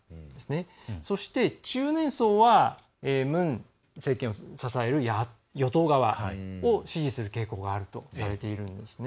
そして中年層はムン政権を支える与党側を支持する傾向があるとされているんですね。